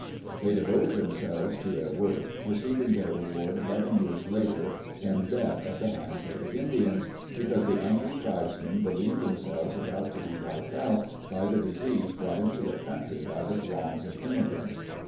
They devoted them selves to their work, receiving their reward eleven years later in death at the hands of the Indians, because the angry tribesmen be lieved themselves about to be wiped out by the disease brought into the country by the throngs of immigrants.